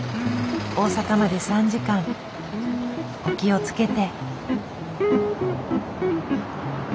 大阪まで３時間お気をつけて。